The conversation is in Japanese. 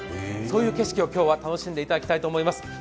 そういう景色を、今日は楽しんでいただきたいと思います。